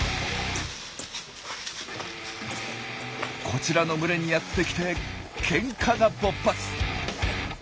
こちらの群れにやって来てケンカが勃発！